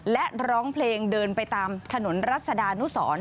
และร้องเพลงเดินไปตามถนนรัศดานุสร